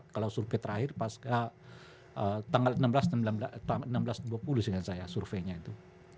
kalau survei terakhir pasca tanggal enam belas dua puluh sih kan saya surveinya itu